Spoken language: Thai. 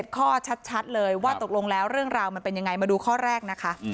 ข้อชัดเลยว่าตกลงแล้วเรื่องราวมันเป็นยังไงมาดูข้อแรกนะคะ